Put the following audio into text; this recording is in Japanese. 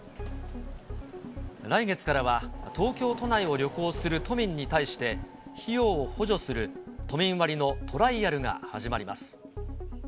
来月からは東京都内を旅行する都民に対して、費用を補助する、都民割のトライアルが始まります。